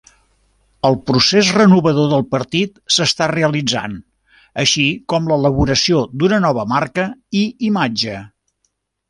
El procés renovador del partit s'està realitzant, així com l'elaboració d'una nova marca i imatge.